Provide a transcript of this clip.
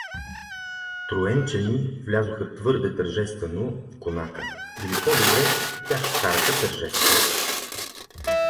Троенчени влязоха твърде тържествено в конака или по-добре тях вкараха тържествено.